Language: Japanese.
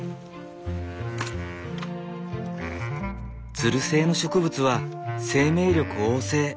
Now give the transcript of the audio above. ツル性の植物は生命力旺盛。